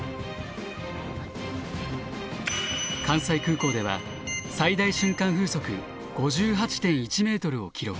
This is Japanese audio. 関西空港では最大瞬間風速５８．１ｍを記録。